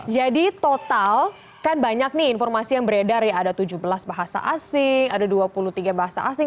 jadi total kan banyak nih informasi yang beredar ya ada tujuh belas bahasa asing ada dua puluh tiga bahasa asing